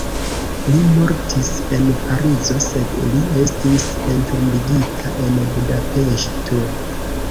Li mortis en Parizo, sed li estis entombigita en Budapeŝto.